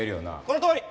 このとおり。